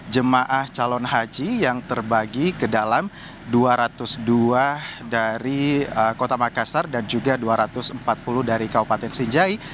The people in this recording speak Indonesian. jemaah calon haji yang terbagi ke dalam dua ratus dua dari kota makassar dan juga dua ratus empat puluh dari kabupaten sinjai